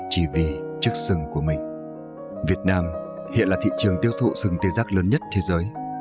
hiện là thị trường tiêu thụ sừng tê giác lớn nhất thế giới